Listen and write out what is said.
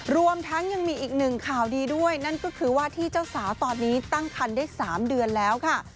รวมทั้งยังมีอีกหนึ่งข่าวดีด้วยนั่นก็คือว่าที่เจ้าสาวตอนนี้ตั้งคันได้๓เดือนแล้วค่ะ